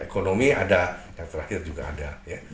ekonomi ada yang terakhir juga ada